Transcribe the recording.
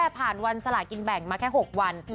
ผ่านวันสลากินแบ่งมาแค่๖วัน